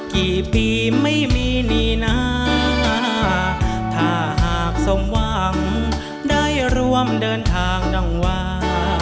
กี่ปีไม่มีนี่นาถ้าหากสมหวังได้รวมเดินทางดังวา